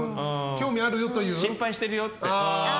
心配してるよって。